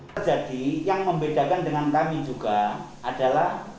terjadi yang membedakan dengan kami juga adalah